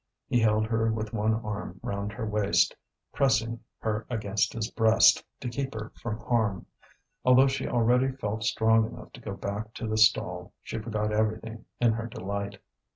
He held her with one arm round her waist, pressing her against his breast to keep her from harm. Although she already felt strong enough to go back to the stall, she forgot everything in her delight.